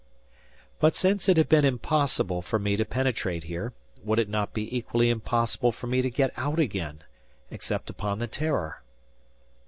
But since it had been impossible for me to penetrate here, would it not be equally impossible for me to get out again, except upon the "Terror?"